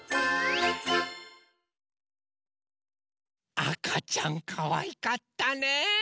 あかちゃんかわいかったね。